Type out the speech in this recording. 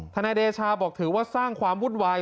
นายเดชาบอกถือว่าสร้างความวุ่นวาย